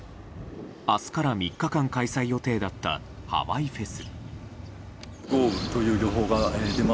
明日から３日間開催予定だったハワイフェス。